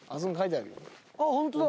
あっホントだ！